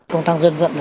công tăng dân vận